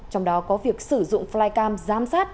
trong đó có việc sử dụng flycam giám sát